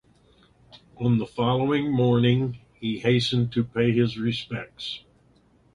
On the following morning he hastened to pay his respects.